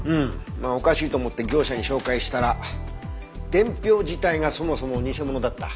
まあおかしいと思って業者に照会したら伝票自体がそもそも偽物だった。